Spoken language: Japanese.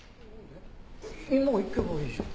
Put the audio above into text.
今行けばいいじゃん。